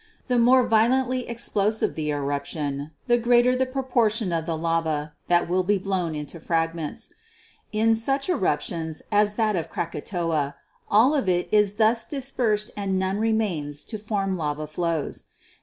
The more violently explosive the eruption, the greater the pro 120 GEOLOGY portion of the lava that will be blown into fragments. In such eruptions as that of Krakatoa, all of it is thus dis persed and none remains to form lava flows.